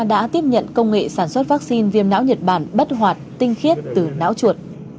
đã tiếp nhận công nghệ sản xuất vaccine viêm não nhật bản bất hoạt tinh khiết từ não chuột